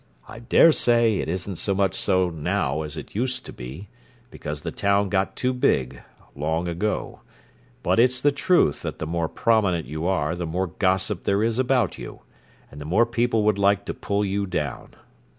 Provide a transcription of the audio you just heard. I dare say it isn't so much so now as it used to be, because the town got too big long ago, but it's the truth that the more prominent you are the more gossip there is about you, and the more people would like to pull you down.